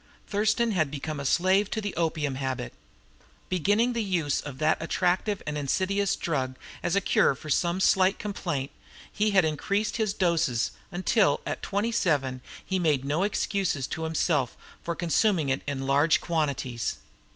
Thurston had become a slave to the opium habit. Beginning the use of that attractive and insidious drug as a cure for some slight complaint, he had increased his doses, until at twenty seven he made no excuses to himself for consuming it in large quantities.